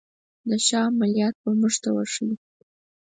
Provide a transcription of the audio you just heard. د شاه عملیات به موږ ته وښيي.